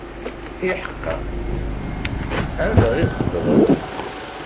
Iḥeqqa, anda i tzedɣeḍ?